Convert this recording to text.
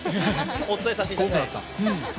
お伝えさせていただきたいです。